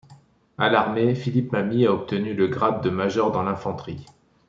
À l'armée, Philippe Mamie a obtenu le grade de major dans l'infanterie.